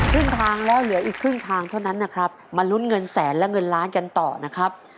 ครึ่งทางแล้วเหลืออีกครึ่งทางเท่านั้นนะครับมาลุ้นเงินแสนและเงินล้านกันต่อนะครับ